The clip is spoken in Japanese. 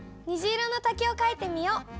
虹色の滝をかいてみよう！